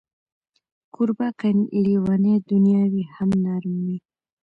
کوربه که لېونۍ دنیا وي، هم نرم وي.